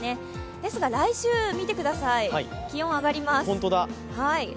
ですが来週見てください、気温上がります。